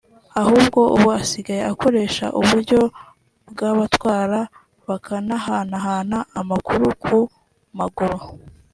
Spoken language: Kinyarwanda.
ahubwo ubu asigaye akoresha uburyo bw’abatwara bakanahanahana amakuru ku maguru